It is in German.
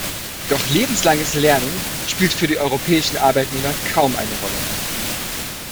Doch lebenslanges Lernen spielt für die europäischen Arbeitnehmer kaum eine Rolle.